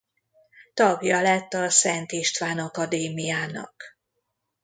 Tagja lett a Szent István Akadémiának.